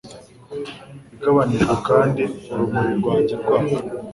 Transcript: Igabanijwe kandi urumuri rwanjye rwaka